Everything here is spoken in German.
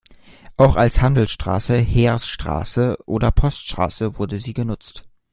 Auch als Handelsstraße, Heerstraße oder Poststraße wurde sie genutzt.